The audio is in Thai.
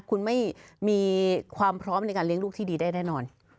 คุณไม่มีความพร้อมในการเลี้ยงลูกที่ดีได้แน่นอน